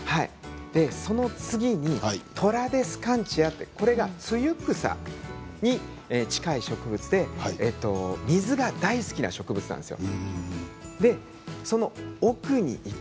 その次に、トラデスカンチアツユクサに近い植物で水が大好きな植物なんですよ。